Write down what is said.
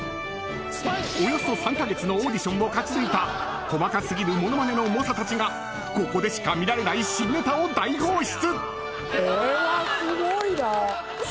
およそ３か月のオーディションを勝ち抜いた細かすぎるものまねの猛者たちがここでしか見られない新ネタを大放出。